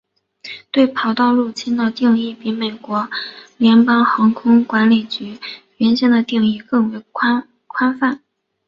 对跑道入侵的定义比美国联邦航空管理局原先的定义更为宽泛。